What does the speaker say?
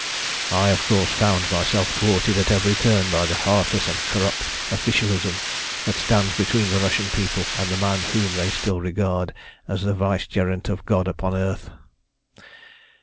"I, of course, found myself thwarted at every turn by the heartless and corrupt officialism that stands between the Russian people and the man whom they still regard as the vicegerent of God upon earth.